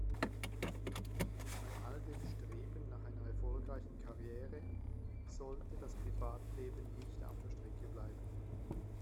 Bei all dem Streben nach einer erfolgreichen Karriere sollte das Privatleben nicht auf der Strecke bleiben.